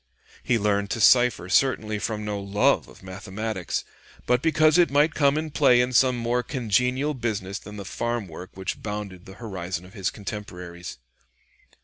He learned to cipher certainly from no love of mathematics, but because it might come in play in some more congenial business than the farm work which bounded the horizon of his contemporaries.